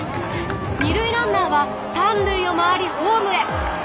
２塁ランナーは３塁を回りホームへ。